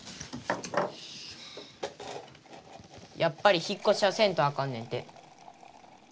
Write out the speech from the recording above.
やっぱり引っこしはせんとあかんねんて。